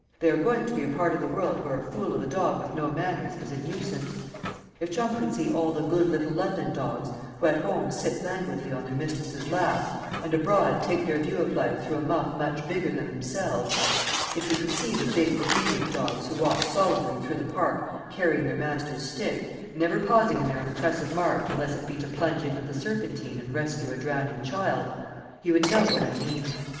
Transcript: They are going to a part of the world where a fool of a dog with no manners is a nuisance. If Chum could see all the good little London dogs, who at home sit languidly on their mistress's lap, and abroad take their view of life through a muff much bigger than themselves; if he could see the big obedient dogs who walk solemnly through the Park carrying their master's stick, never pausing in their impressive march unless it be to plunge into the Serpentine and rescue a drowning child, he would know what I mean.